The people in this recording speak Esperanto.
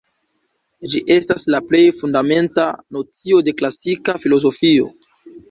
Ĝi estas la plej fundamenta nocio de klasika filozofio.